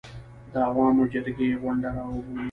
د عوامو جرګې غونډه راوبولي.